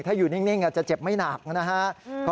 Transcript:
ถ้าอยู่นิ่งอาจจะเจ็บไม่หนักนะฮะ